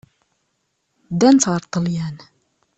Ddant ɣer Ṭṭalyan.